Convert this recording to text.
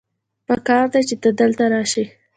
پکار دی چې ته دلته راسې